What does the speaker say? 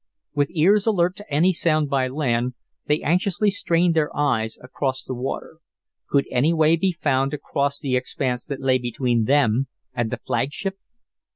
With ears alert to any sound by land, they anxiously strained their eyes across the water. Could any way be found to cross the expanse that lay between them and the flagship?